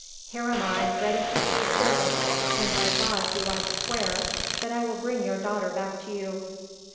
Here am I ready to do you service, and by God do I swear that I will bring your daughter back to you!'